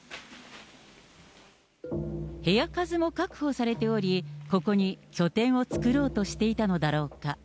部屋数も確保されており、ここに拠点を作ろうとしていたのだろうか。